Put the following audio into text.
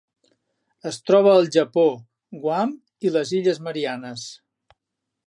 Es troba al Japó, Guam i les Illes Mariannes.